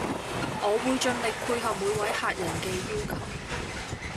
我會盡力配合每位客人嘅要求